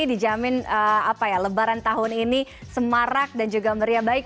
dijamin lebaran tahun ini semarak dan juga meriah baik